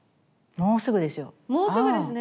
もうすぐですね。